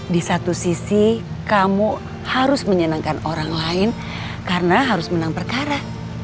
di satu sisi kamu harus menyenangkan orang lain karena harus menang perkara